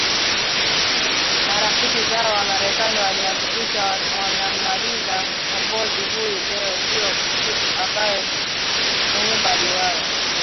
na rafiki zao Wamerekani walihakikisha wanammaliza mkombozi huyu Leo ndio siku ambayo Lumumba aliuwawa